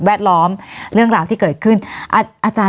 วันนี้แม่ช่วยเงินมากกว่า